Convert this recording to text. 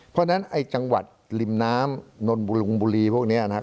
เพราะฉะนั้นไอ้จังหวัดริมน้ำนนบุรุงบุรีพวกนี้นะครับ